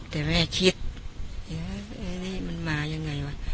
แต่แม่คิดแต่ว่ามันมายังไงวะ